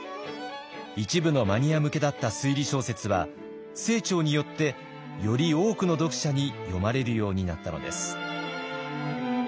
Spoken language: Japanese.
一部のマニア向けだった推理小説は清張によってより多くの読者に読まれるようになったのです。